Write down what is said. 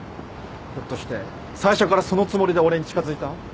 ひょっとして最初からそのつもりで俺に近づいた？